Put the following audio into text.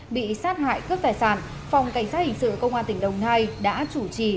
bị sát hại cướp tài sản phòng cảnh sát hình sự công an tỉnh đồng nai đã chủ trì